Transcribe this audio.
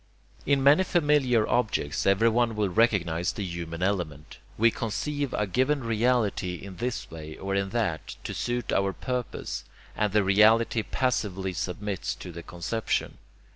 In many familiar objects everyone will recognize the human element. We conceive a given reality in this way or in that, to suit our purpose, and the reality passively submits to the conception.